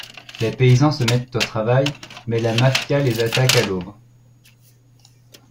Les paysans se mettent au travail, mais la Mafia les attaque à l'aube.